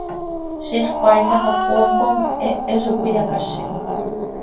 Ziix paaij ano coom com hehe zo cöiyacázinot.